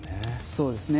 そうですね。